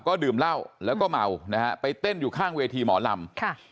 ก็ดื่มเหล้าแล้วก็เมานะฮะไปเต้นอยู่ข้างเวทีหมอลำค่ะ